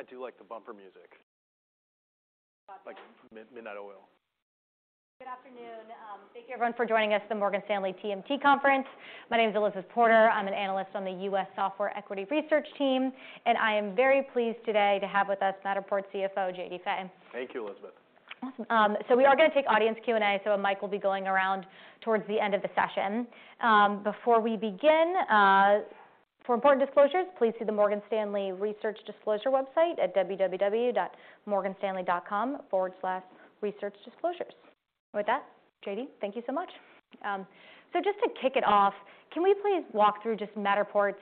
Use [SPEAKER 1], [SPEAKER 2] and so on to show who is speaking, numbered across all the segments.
[SPEAKER 1] I do like the bumper music.
[SPEAKER 2] Love that.
[SPEAKER 1] Like Midnight Oil.
[SPEAKER 2] Good afternoon. thank you everyone for joining us, the Morgan Stanley TMT Conference. My name's Elizabeth Porter, I'm an analyst on the U.S. Software Equity Research team, and I am very pleased today to have with us Matterport CFO, J.D. Fay.
[SPEAKER 1] Thank you, Elizabeth.
[SPEAKER 2] Awesome. We are gonna take audience Q&A, so a mic will be going around towards the end of the session. Before we begin, for important disclosures, please see the Morgan Stanley research disclosure website at www.morganstanley.com/researchdisclosures. With that, J.D., thank you so much. Just to kick it off, can we please walk through just Matterport's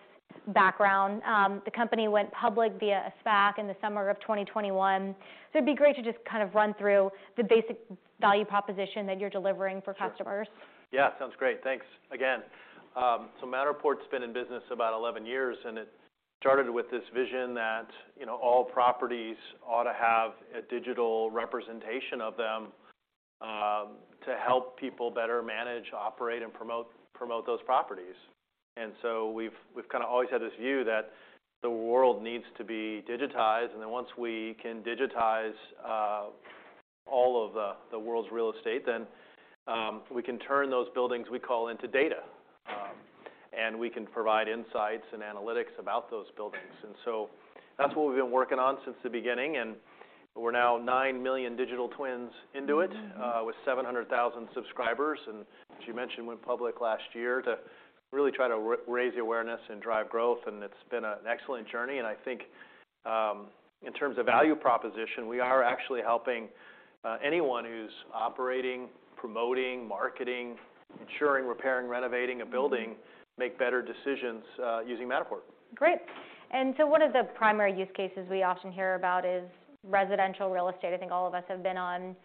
[SPEAKER 2] background? The company went public via a SPAC in the summer of 2021, it'd be great to just kind of run through the basic value proposition that you're delivering for customers.
[SPEAKER 1] Sure. Yeah. Sounds great. Thanks again. Matterport's been in business about 11 years, and it started with this vision that, you know, all properties ought to have a digital representation of them, to help people better manage, operate, and promote those properties. We've kind of always had this view that the world needs to be digitized, and then once we can digitize all of the world's real estate, then, we can turn those buildings we call into data, and we can provide insights and analytics about those buildings. That's what we've been working on since the beginning, and we're now 9 million digital twins into it.
[SPEAKER 2] Mm-hmm...
[SPEAKER 1] with 700,000 subscribers. As you mentioned, went public last year to really try to raise the awareness and drive growth, and it's been an excellent journey. I think, in terms of value proposition, we are actually helping anyone who's operating, promoting, marketing, ensuring, repairing, renovating a building make better decisions, using Matterport.
[SPEAKER 2] Great. One of the primary use cases we often hear about is residential real estate. I think all of us have been on,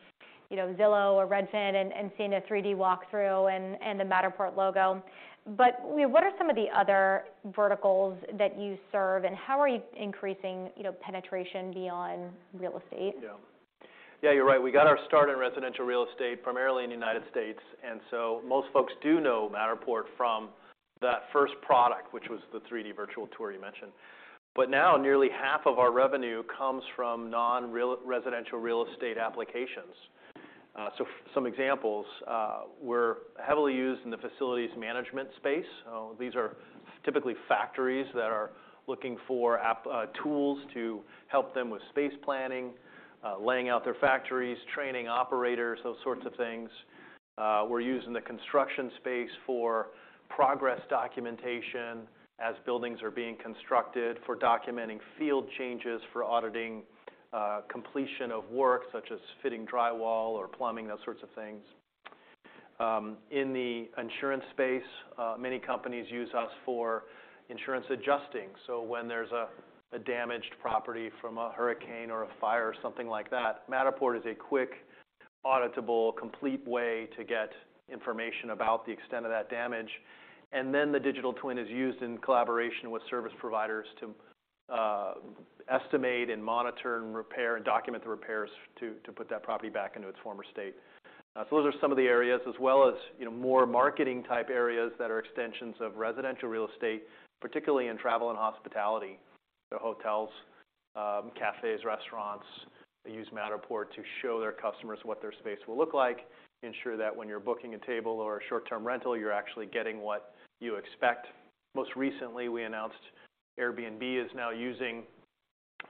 [SPEAKER 2] you know, Zillow or Redfin and seen a 3D walkthrough and a Matterport logo. What are some of the other verticals that you serve, and how are you increasing, you know, penetration beyond real estate?
[SPEAKER 1] Yeah, you're right. We got our start in residential real estate, primarily in the United States. Most folks do know Matterport from that first product, which was the 3D virtual tour you mentioned. Now, nearly half of our revenue comes from non-residential real estate applications. Some examples, we're heavily used in the facilities management space. These are typically factories that are looking for tools to help them with space planning, laying out their factories, training operators, those sorts of things. We're used in the construction space for progress documentation as buildings are being constructed, for documenting field changes, for auditing, completion of work, such as fitting drywall or plumbing, those sorts of things. In the insurance space, many companies use us for insurance adjusting. When there's a damaged property from a hurricane or a fire or something like that, Matterport is a quick, auditable, complete way to get information about the extent of that damage. The digital twin is used in collaboration with service providers to estimate and monitor and repair and document the repairs to put that property back into its former state. Those are some of the areas as well as, you know, more marketing type areas that are extensions of residential real estate, particularly in travel and hospitality. Hotels, cafes, restaurants, they use Matterport to show their customers what their space will look like, ensure that when you're booking a table or a short-term rental, you're actually getting what you expect. Most recently, we announced Airbnb is now using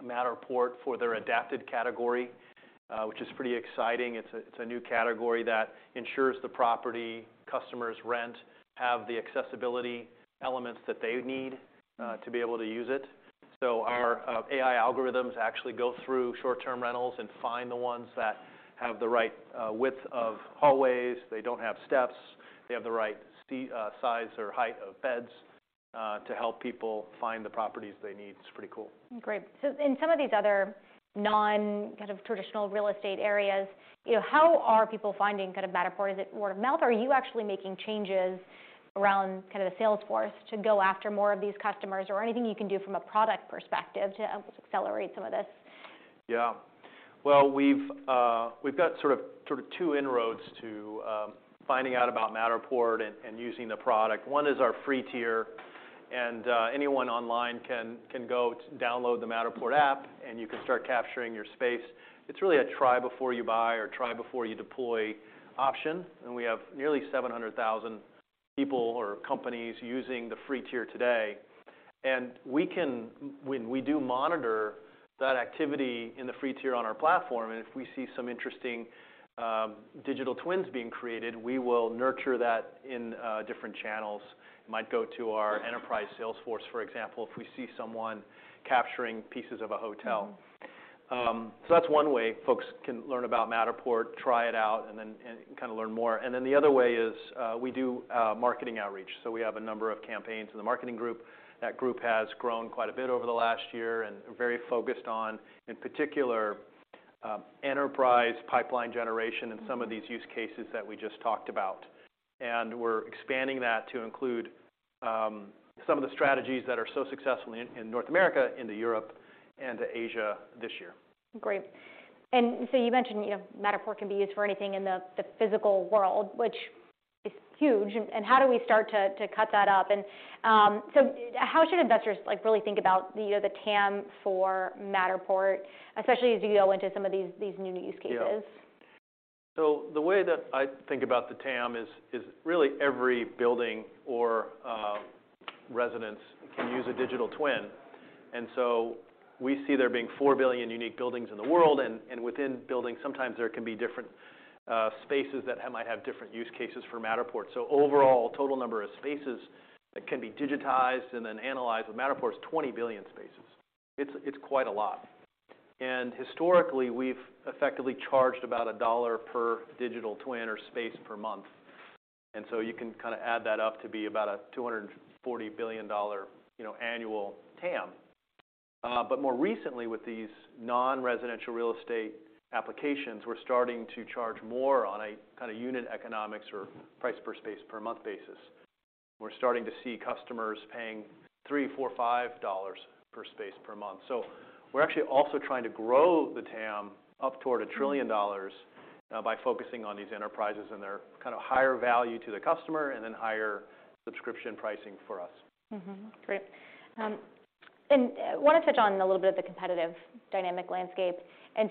[SPEAKER 1] Matterport for their Adapted category, which is pretty exciting. It's a new category that ensures the property customers rent have the accessibility elements that they need to be able to use it. Our AI algorithms actually go through short-term rentals and find the ones that have the right width of hallways. They don't have steps. They have the right size or height of beds to help people find the properties they need. It's pretty cool.
[SPEAKER 2] Great. In some of these other non-kind of traditional real estate areas, you know, how are people finding kind of Matterport? Is it word of mouth? Are you actually making changes around kind of the sales force to go after more of these customers, or anything you can do from a product perspective to help accelerate some of this?
[SPEAKER 1] Yeah. Well, we've got sort of two inroads to finding out about Matterport and using the product. One is our free tier. Anyone online can go to download the Matterport app, and you can start capturing your space. It's really a try before you buy or try before you deploy option. We have nearly 700,000 people or companies using the free tier today. When we do monitor that activity in the free tier on our platform, and if we see some interesting digital twins being created, we will nurture that in different channels. Might go to our enterprise sales force, for example, if we see someone capturing pieces of a hotel.
[SPEAKER 2] Mm-hmm.
[SPEAKER 1] That's one way folks can learn about Matterport, try it out, and then, and kind of learn more. The other way is, we do marketing outreach. We have a number of campaigns in the marketing group. That group has grown quite a bit over the last year and very focused on, in particular, enterprise pipeline generation in some of these use cases that we just talked about. We're expanding that to include some of the strategies that are so successful in North America, into Europe, and to Asia this year.
[SPEAKER 2] Great. you mentioned, you know, Matterport can be used for anything in the physical world, which it's huge. How do we start to cut that up? How should investors like really think about the, you know, the TAM for Matterport, especially as you go into some of these new use cases?
[SPEAKER 1] The way that I think about the TAM is really every building or residence can use a digital twin. We see there being 4 billion unique buildings in the world and within buildings, sometimes there can be different spaces that might have different use cases for Matterport. Overall, total number of spaces that can be digitized and then analyzed with Matterport is 20 billion spaces. It's quite a lot. Historically, we've effectively charged about $1 per digital twin or space per month. You can kinda add that up to be about a $240 billion, you know, annual TAM. More recently with these non-residential real estate applications, we're starting to charge more on a kinda unit economics or price per space per month basis. We're starting to see customers paying $3, $4, $5 per space per month. We're actually also trying to grow the TAM up toward $1 trillion by focusing on these enterprises and their kinda higher value to the customer and then higher subscription pricing for us.
[SPEAKER 2] Great. Wanna touch on a little bit of the competitive dynamic landscape.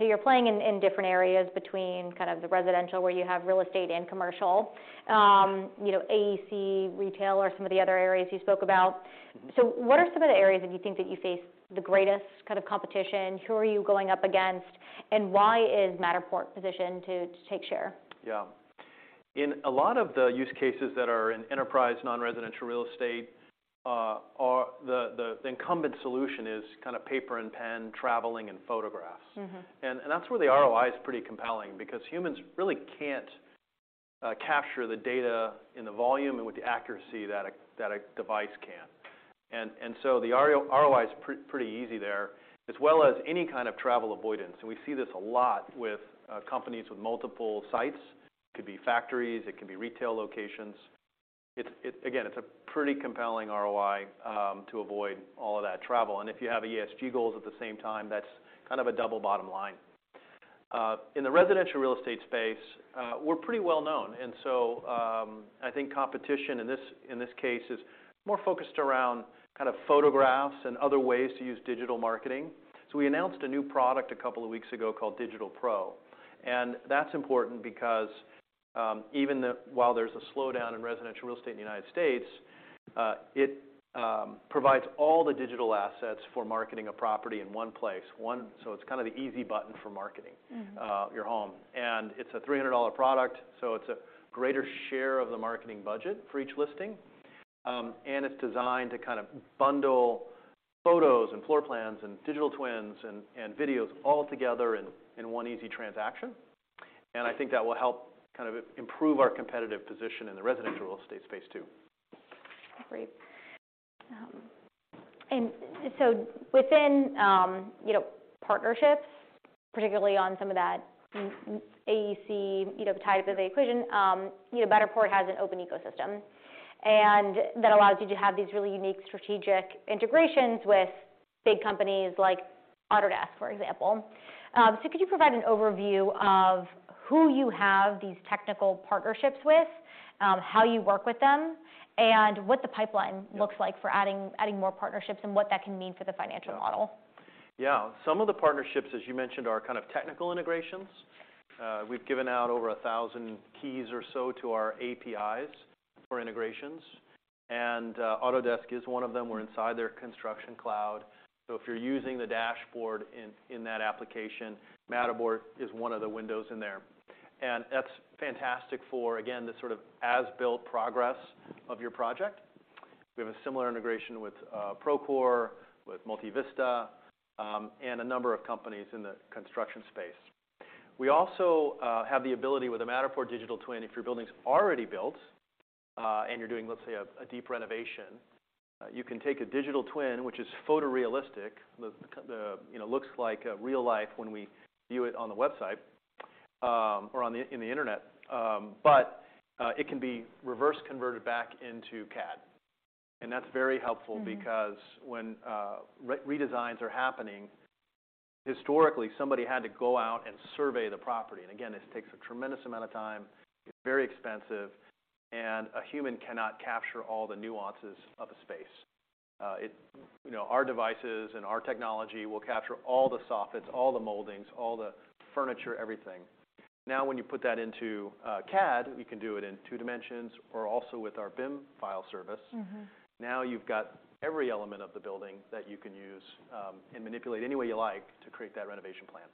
[SPEAKER 2] You're playing in different areas between kind of the residential where you have real estate and commercial. you know, AEC retail are some of the other areas you spoke about.
[SPEAKER 1] Mm-hmm.
[SPEAKER 2] What are some of the areas that you think that you face the greatest kind of competition? Who are you going up against, and why is Matterport positioned to take share?
[SPEAKER 1] Yeah. In a lot of the use cases that are in enterprise non-residential real estate, the incumbent solution is kinda paper and pen traveling and photographs.
[SPEAKER 2] Mm-hmm.
[SPEAKER 1] That's where the ROI is pretty compelling because humans really can't capture the data and the volume and with the accuracy that a device can. So the ROI is pretty easy there, as well as any kind of travel avoidance. We see this a lot with companies with multiple sites. It could be factories, it can be retail locations. Again, it's a pretty compelling ROI to avoid all of that travel. If you have ESG goals at the same time, that's kind of a double bottom line. In the residential real estate space, we're pretty well known. I think competition in this case is more focused around kind of photographs and other ways to use digital marketing. We announced a new product a couple of weeks ago called Digital Pro, and that's important because, even while there's a slowdown in residential real estate in the United States, it, provides all the digital assets for marketing a property in one place. It's kind of the easy button for marketing.
[SPEAKER 2] Mm-hmm...
[SPEAKER 1] your home. It's a $300 product, so it's a greater share of the marketing budget for each listing. It's designed to kind of bundle photos and floor plans and digital twins and videos all together in one easy transaction. I think that will help kind of improve our competitive position in the residential real estate space too.
[SPEAKER 2] Great. Within, you know, partnerships, particularly on some of that AEC, you know, type of equation, you know, Matterport has an open ecosystem. That allows you to have these really unique strategic integrations with big companies like Autodesk, for example. Could you provide an overview of who you have these technical partnerships with, how you work with them, and what the pipeline?
[SPEAKER 1] Yeah...
[SPEAKER 2] looks like for adding more partnerships and what that can mean for the financial model?
[SPEAKER 1] Some of the partnerships, as you mentioned, are kind of technical integrations. We've given out over 1,000 keys or so to our APIs for integrations. Autodesk is one of them. We're inside their Construction Cloud. If you're using the dashboard in that application, Matterport is one of the windows in there. That's fantastic for, again, the sort of as-built progress of your project. We have a similar integration with Procore, with Multivista, a number of companies in the construction space. We also have the ability with a Matterport digital twin, if your building's already built, and you're doing, let's say, a deep renovation, you can take a digital twin, which is photorealistic, you know, looks like real life when we view it on the website or in the internet. It can be reverse converted back into CAD. That's very helpful.
[SPEAKER 2] Mm-hmm...
[SPEAKER 1] because when redesigns are happening, historically, somebody had to go out and survey the property. Again, this takes a tremendous amount of time, it's very expensive, and a human cannot capture all the nuances of a space. You know, our devices and our technology will capture all the soffits, all the moldings, all the furniture, everything. Now, when you put that into CAD, you can do it in two dimensions or also with our BIM file service.
[SPEAKER 2] Mm-hmm.
[SPEAKER 1] Now, you've got every element of the building that you can use, and manipulate any way you like to create that renovation plan.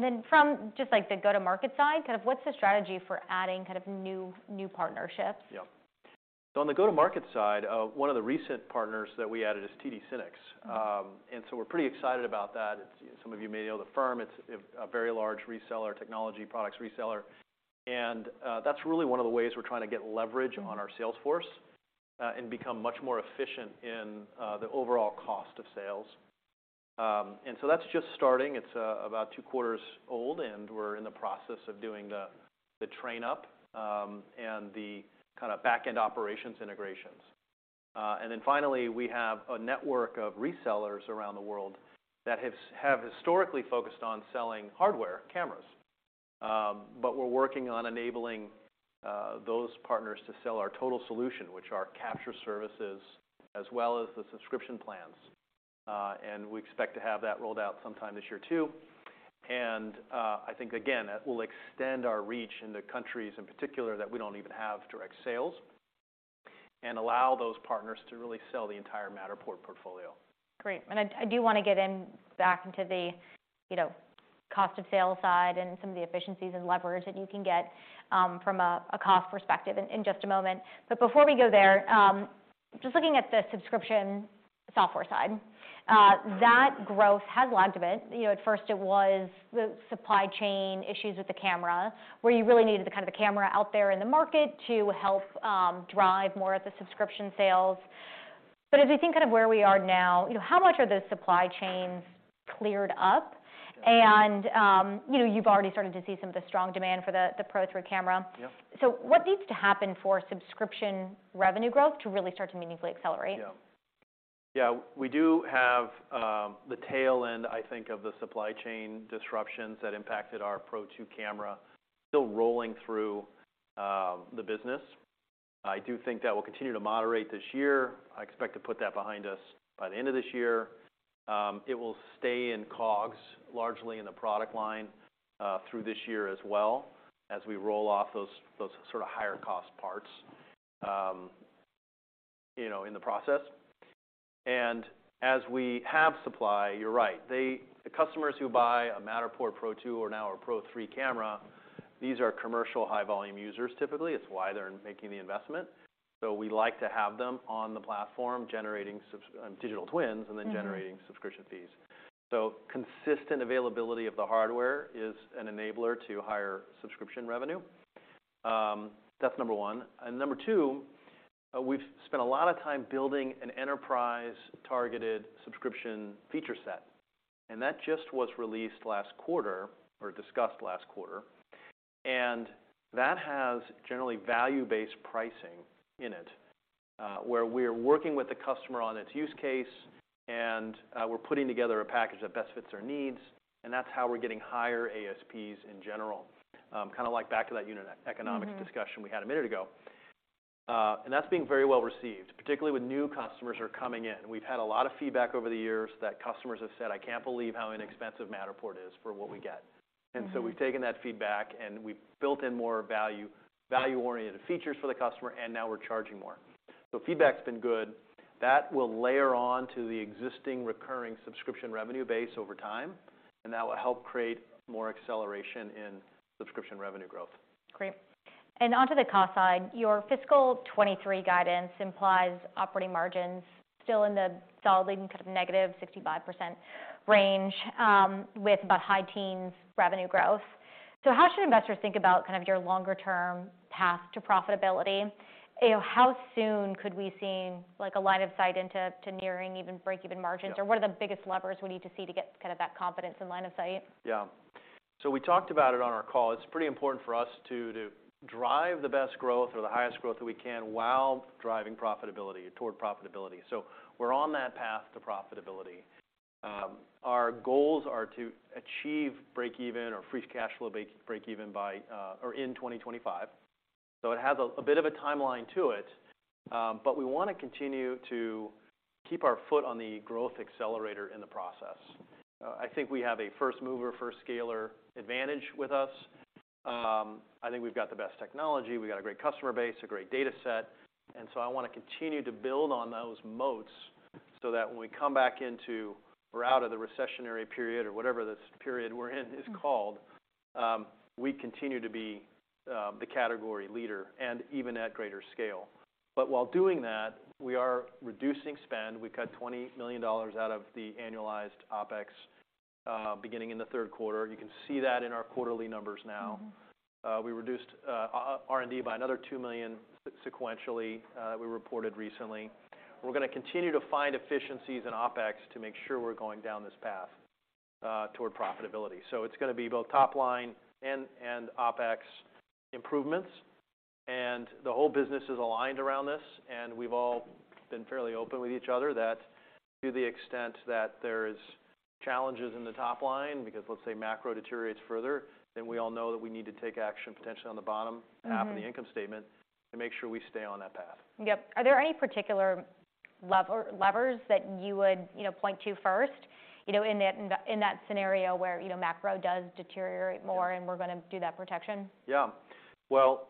[SPEAKER 2] Then from just like the go-to-market side, kind of what's the strategy for adding kind of new partnerships?
[SPEAKER 1] On the go-to-market side, one of the recent partners that we added is TD SYNNEX. We're pretty excited about that. Some of you may know the firm. It's a very large reseller, technology products reseller. That's really one of the ways we're trying to get leverage on our sales force and become much more efficient in the overall cost of sales. That's just starting. It's about two quarters old, and we're in the process of doing the train up and the kind of back-end operations integrations. Finally, we have a network of resellers around the world that have historically focused on selling hardware, cameras. We're working on enabling those partners to sell our total solution, which are capture services as well as the subscription plans. We expect to have that rolled out sometime this year too. I think again, that will extend our reach in the countries in particular that we don't even have direct sales, and allow those partners to really sell the entire Matterport portfolio.
[SPEAKER 2] Great. I do wanna get in, back into the, you know, cost of sales side and some of the efficiencies and leverage that you can get, from a cost perspective in just a moment. Before we go there, just looking at the subscription software side, that growth has lagged a bit. You know, at first it was the supply chain issues with the camera, where you really needed to kind of the camera out there in the market to help, drive more of the subscription sales. As you think kind of where we are now, you know, how much are those supply chains cleared up? You know, you've already started to see some of the strong demand for the Pro3 camera.
[SPEAKER 1] Yeah.
[SPEAKER 2] What needs to happen for subscription revenue growth to really start to meaningfully accelerate?
[SPEAKER 1] Yeah. Yeah, we do have, I think, of the supply chain disruptions that impacted our Pro2 camera still rolling through the business. I do think that will continue to moderate this year. I expect to put that behind us by the end of this year. It will stay in COGS, largely in the product line, through this year as well as we roll off those sort of higher cost parts, you know, in the process. As we have supply, you're right. The customers who buy a Matterport Pro2 or now our Pro3 camera, these are commercial high-volume users, typically. It's why they're making the investment. We like to have them on the platform generating digital twins.
[SPEAKER 2] Mm-hmm...
[SPEAKER 1] and then generating subscription fees. Consistent availability of the hardware is an enabler to higher subscription revenue. That's number one. Number two, we've spent a lot of time building an enterprise-targeted subscription feature set, and that just was released last quarter, or discussed last quarter. That has generally value-based pricing in it, where we're working with the customer on its use case and, we're putting together a package that best fits their needs, and that's how we're getting higher ASPs in general. Back to that unit economics discussion.
[SPEAKER 2] Mm-hmm...
[SPEAKER 1] we had a minute ago. That's being very well received, particularly with new customers who are coming in. We've had a lot of feedback over the years that customers have said, "I can't believe how inexpensive Matterport is for what we get.
[SPEAKER 2] Mm-hmm.
[SPEAKER 1] We've taken that feedback and we've built in more value-oriented features for the customer, and now we're charging more. Feedback's been good. That will layer on to the existing recurring subscription revenue base over time, and that will help create more acceleration in subscription revenue growth.
[SPEAKER 2] Great. Onto the cost side, your fiscal 2023 guidance implies operating margins still in the solidly kind of -65% range with about high teens revenue growth. How should investors think about kind of your longer term path to profitability? You know, how soon could we see, like, a line of sight into nearing even break even margins?
[SPEAKER 1] Yeah.
[SPEAKER 2] What are the biggest levers we need to see to get kind of that confidence in line of sight?
[SPEAKER 1] We talked about it on our call. It's pretty important for us to drive the best growth or the highest growth that we can while driving profitability, toward profitability. We're on that path to profitability. Our goals are to achieve break even or free cash flow break even by or in 2025. It has a bit of a timeline to it, but we wanna continue to keep our foot on the growth accelerator in the process. I think we have a first mover, first scaler advantage with us. I think we've got the best technology, we've got a great customer base, a great data set, I wanna continue to build on those moats so that when we come back into or out of the recessionary period or whatever this period we're in is called-
[SPEAKER 2] Mm...
[SPEAKER 1] we continue to be the category leader and even at greater scale. While doing that, we are reducing spend. We cut $20 million out of the annualized OpEx beginning in the third quarter. You can see that in our quarterly numbers now.
[SPEAKER 2] Mm-hmm.
[SPEAKER 1] We reduced R&D by another $2 million sequentially, we reported recently. We're gonna continue to find efficiencies in OpEx to make sure we're going down this path toward profitability. It's gonna be both top line and OpEx improvements. The whole business is aligned around this, and we've all been fairly open with each other that to the extent that there's challenges in the top line, because let's say macro deteriorates further, then we all know that we need to take action potentially on the bottom.
[SPEAKER 2] Mm-hmm
[SPEAKER 1] half of the income statement to make sure we stay on that path.
[SPEAKER 2] Yep. Are there any particular levers that you would, you know, point to first, you know, in that scenario where, you know, macro does deteriorate? We're gonna do that protection?
[SPEAKER 1] Yeah. Well,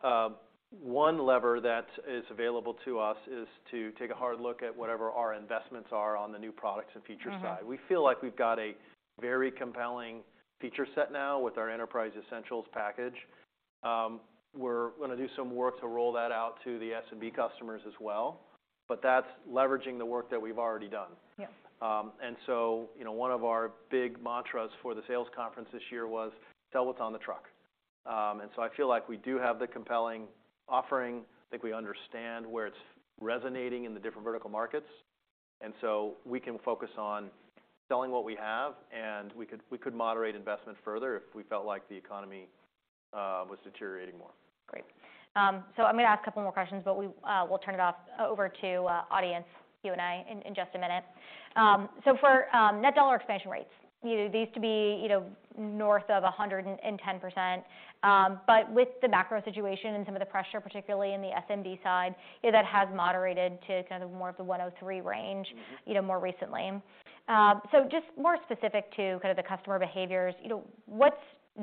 [SPEAKER 1] one lever that is available to us is to take a hard look at whatever our investments are on the new products and features side.
[SPEAKER 2] Mm-hmm.
[SPEAKER 1] We feel like we've got a very compelling feature set now with our Enterprise Essentials package. We're gonna do some work to roll that out to the SMB customers as well. That's leveraging the work that we've already done.
[SPEAKER 2] Yeah.
[SPEAKER 1] You know, one of our big mantras for the sales conference this year was, "Sell what's on the truck." I feel like we do have the compelling offering. I think we understand where it's resonating in the different vertical markets. We can focus on selling what we have, and we could moderate investment further if we felt like the economy was deteriorating more.
[SPEAKER 2] Great. I'm gonna ask a couple more questions, but we'll turn it off over to audience Q&A in just a minute. For net dollar expansion rate, you know, these to be, you know, north of 110%. With the macro situation and some of the pressure, particularly in the SMB side, you know, that has moderated to kind of more of the 103% range.
[SPEAKER 1] Mm-hmm.
[SPEAKER 2] You know, more recently. Just more specific to kind of the customer behaviors, you know, what's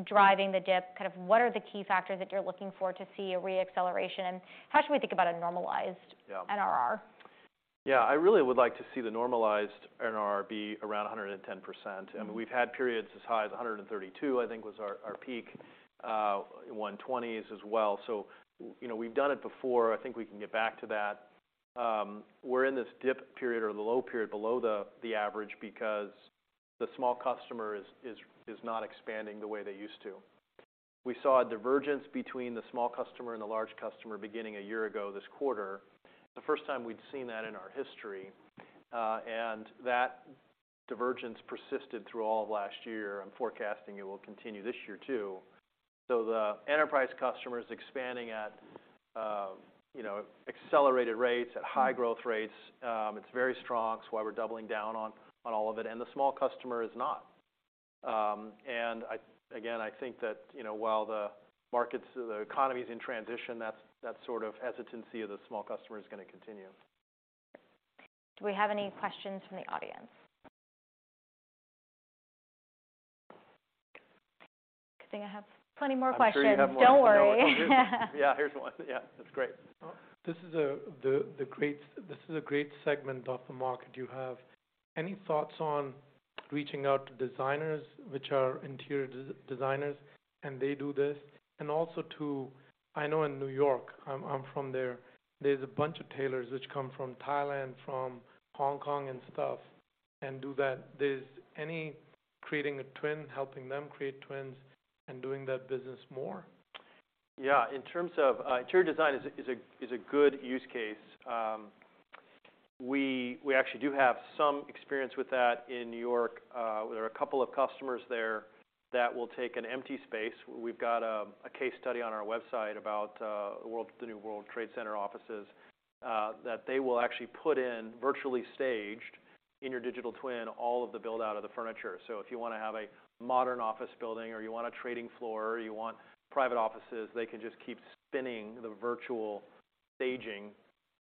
[SPEAKER 2] driving the dip? Kind of what are the key factors that you're looking for to see a re-acceleration? How should we think about a normalized.
[SPEAKER 1] Yeah.
[SPEAKER 2] -NRR?
[SPEAKER 1] Yeah. I really would like to see the normalized NRR be around 110%.
[SPEAKER 2] Mm-hmm.
[SPEAKER 1] I mean, we've had periods as high as 132%, I think was our peak, 120s as well. You know, we've done it before, I think we can get back to that. We're in this dip period or the low period below the average because the small customer is not expanding the way they used to. We saw a divergence between the small customer and the large customer beginning a year ago this quarter. The first time we'd seen that in our history, and that divergence persisted through all of last year. I'm forecasting it will continue this year too. The enterprise customer is expanding at, you know, accelerated rates, at high growth rates. It's very strong. It's why we're doubling down on all of it, and the small customer is not. Again, I think that, you know, while the markets or the economy's in transition, that sort of hesitancy of the small customer is gonna continue.
[SPEAKER 2] Do we have any questions from the audience? Good. I think I have plenty more questions.
[SPEAKER 1] I'm sure you have more.
[SPEAKER 2] Don't worry.
[SPEAKER 1] Yeah. Here's one. Yeah. That's great.
[SPEAKER 3] This is a great segment of the market you have. Any thoughts on reaching out to designers, which are interior designers, and they do this? Also to, I know in New York, I'm from there's a bunch of tailors which come from Thailand, from Hong Kong and stuff, and do that. There's any creating a twin, helping them create twins and doing that business more?
[SPEAKER 1] Yeah. In terms of interior design is a good use case. We actually do have some experience with that in New York. There are a couple of customers there that will take an empty space. We've got a case study on our website about the new World Trade Center offices that they will actually put in virtually staged in your digital twin, all of the build-out of the furniture. If you wanna have a modern office building or you want a trading floor, you want private offices, they can just keep spinning the virtual staging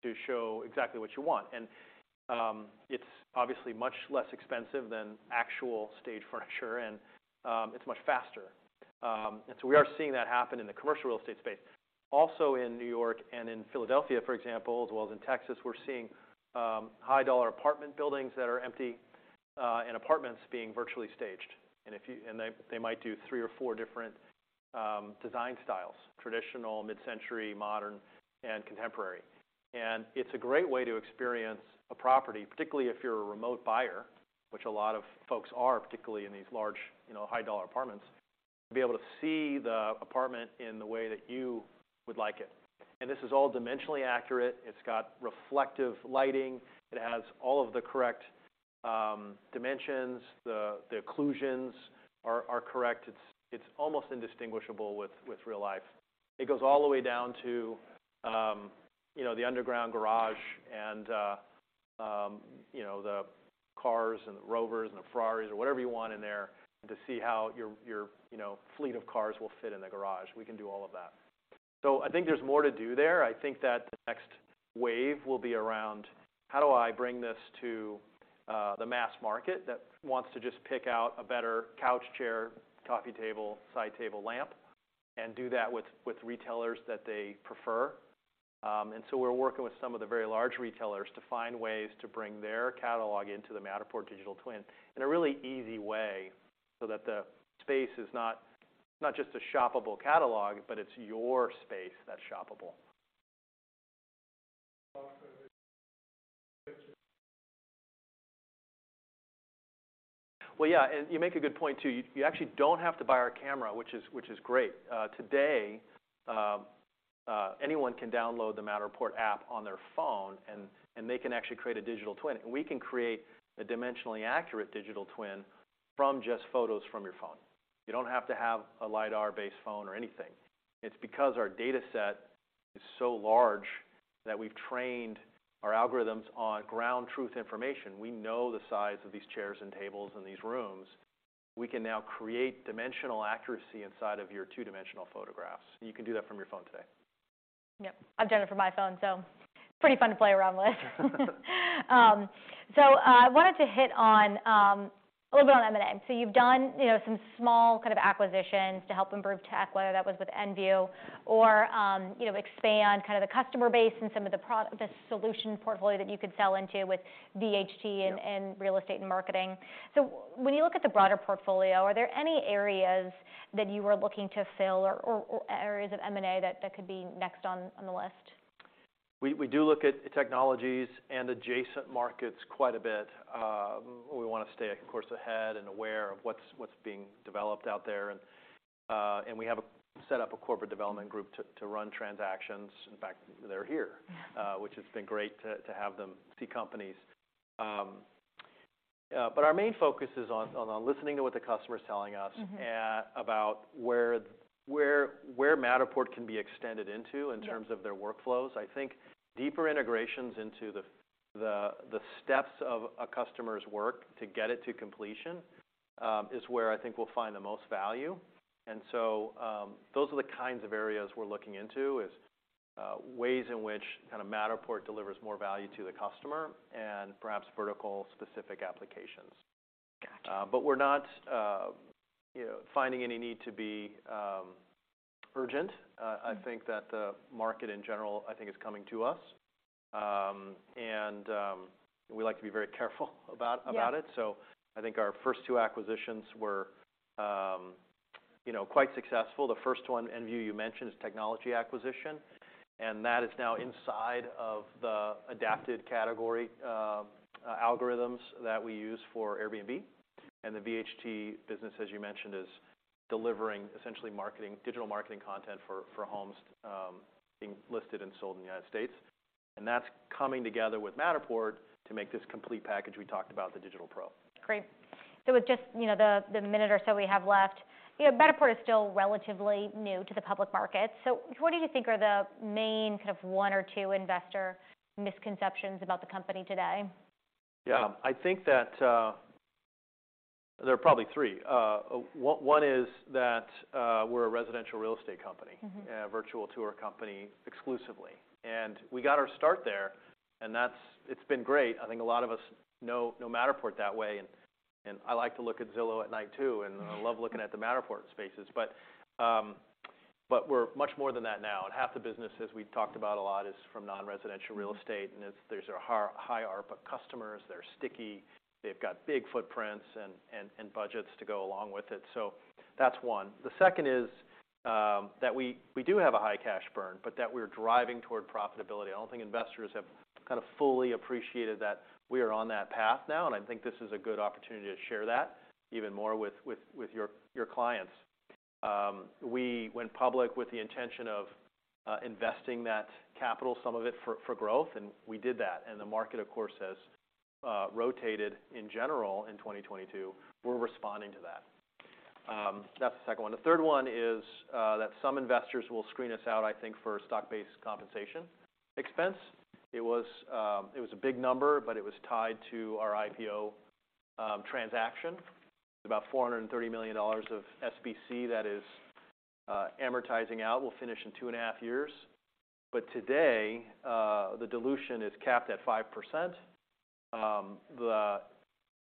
[SPEAKER 1] to show exactly what you want. It's obviously much less expensive than actual stage furniture and it's much faster. We are seeing that happen in the commercial real estate space. Also in New York and in Philadelphia, for example, as well as in Texas, we're seeing high dollar apartment buildings that are empty and apartments being virtually staged. They might do three or four different design styles, traditional, mid-century, modern and contemporary. It's a great way to experience a property, particularly if you're a remote buyer, which a lot of folks are, particularly in these large, you know, high dollar apartments, to be able to see the apartment in the way that you would like it. This is all dimensionally accurate. It's got reflective lighting. It has all of the correct dimensions. The occlusions are correct. It's almost indistinguishable with real life. It goes all the way down to, you know, the underground garage and, you know, the cars and the Rovers and the Ferraris or whatever you want in there to see how your, you know, fleet of cars will fit in the garage. We can do all of that. I think there's more to do there. I think that the next wave will be around, how do I bring this to the mass market that wants to just pick out a better couch, chair, coffee table, side table lamp, and do that with retailers that they prefer. We're working with some of the very large retailers to find ways to bring their catalog into the Matterport digital twin in a really easy way so that the space is not just a shoppable catalog, but it's your space that's shoppable. Well, yeah. You make a good point, too. You actually don't have to buy our camera, which is great. Today, anyone can download the Matterport app on their phone and they can actually create a digital twin. We can create a dimensionally accurate digital twin from just photos from your phone. You don't have to have a lidar-based phone or anything. It's because our dataset is so large that we've trained our algorithms on ground truth information. We know the size of these chairs and tables in these rooms. We can now create dimensional accuracy inside of your two-dimensional photographs. You can do that from your phone today.
[SPEAKER 2] Yep. I've done it from my phone, pretty fun to play around with. I wanted to hit on a little bit on M&A. You've done, you know, some small kind of acquisitions to help improve tech, whether that was with Enview or, you know, expand kind of the customer base and some of the solution portfolio that you could sell into with VHT.
[SPEAKER 1] Yeah.
[SPEAKER 2] Real estate and marketing. When you look at the broader portfolio, are there any areas that you are looking to fill or areas of M&A that could be next on the list?
[SPEAKER 1] We do look at technologies and adjacent markets quite a bit. We wanna stay, of course, ahead and aware of what's being developed out there. We have set up a corporate development group to run transactions. In fact, they're here.
[SPEAKER 2] Yeah.
[SPEAKER 1] Which has been great to have them see companies. Our main focus is on listening to what the customer's telling us.
[SPEAKER 2] Mm-hmm
[SPEAKER 1] about where Matterport can be extended into.
[SPEAKER 2] Yeah
[SPEAKER 1] in terms of their workflows. I think deeper integrations into the steps of a customer's work to get it to completion, is where I think we'll find the most value. Those are the kinds of areas we're looking into is ways in which kinda Matterport delivers more value to the customer, and perhaps vertical specific applications.
[SPEAKER 2] Gotcha.
[SPEAKER 1] We're not, you know, finding any need to be urgent.
[SPEAKER 2] Mm...
[SPEAKER 1] I think that the market in general, I think, is coming to us. We like to be very careful.
[SPEAKER 2] Yeah...
[SPEAKER 1] about it. I think our first two acquisitions were, you know, quite successful. The first one, Enview, you mentioned, is technology acquisition, and that is now inside of the Adapted category algorithms that we use for Airbnb. The VHT business, as you mentioned, is delivering essentially marketing, digital marketing content for homes, being listed and sold in the United States. That's coming together with Matterport to make this complete package we talked about, the Digital Pro.
[SPEAKER 2] Great. With just, you know, the minute or so we have left, you know, Matterport is still relatively new to the public market. What do you think are the main kind of one or two investor misconceptions about the company today?
[SPEAKER 1] Yeah. I think that, there are probably three. One is that, we're a residential real estate company...
[SPEAKER 2] Mm-hmm
[SPEAKER 1] a virtual tour company exclusively. We got our start there, it's been great. I think a lot of us know Matterport that way, and I like to look at Zillow at night too. I love looking at the Matterport spaces. We're much more than that now. Half the business, as we've talked about a lot, is from non-residential real estate, and it's, there's a high ARPA customers, they're sticky, they've got big footprints and budgets to go along with it. That's one. The second is that we do have a high cash burn, but that we're driving toward profitability. I don't think investors have kind of fully appreciated that we are on that path now. I think this is a good opportunity to share that even more with your clients. We went public with the intention of investing that capital, some of it for growth, and we did that. The market, of course, has rotated in general in 2022. We're responding to that. That's the second one. The third one is that some investors will screen us out, I think, for stock-based compensation expense. It was a big number, but it was tied to our IPO transaction. About $430 million of SBC that is amortizing out. We'll finish in two and a half years. Today, the dilution is capped at 5%. The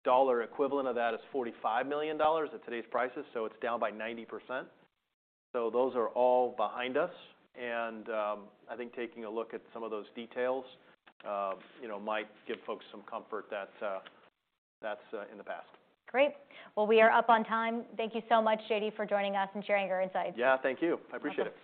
[SPEAKER 1] dollar equivalent of that is $45 million at today's prices, so it's down by 90%. Those are all behind us, and I think taking a look at some of those details, you know, might give folks some comfort that that's in the past.
[SPEAKER 2] Great. Well, we are up on time. Thank you so much, J.D., for joining us and sharing your insights.
[SPEAKER 1] Yeah, thank you. I appreciate it.